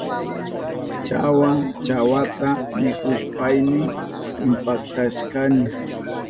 Chawa chawata mikushpayni impachashkani.